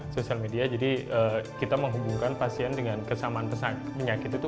sosial media jadi kita menghubungkan pasien dengan kesamaan penyakit itu